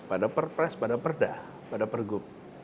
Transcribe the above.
pada perpres pada perda pada pergub